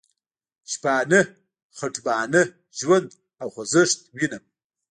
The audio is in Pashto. شپانه، خټبانه، ژوند او خوځښت وینم.